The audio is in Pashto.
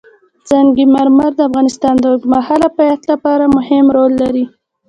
سنگ مرمر د افغانستان د اوږدمهاله پایښت لپاره مهم رول لري.